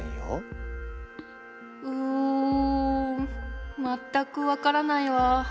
うん全く分からないわ。